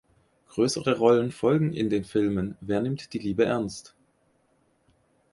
Größere Rollen folgen in den Filmen "Wer nimmt die Liebe ernst?